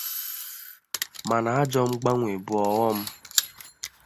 mana ajọ mgbanwe bu ọghọm.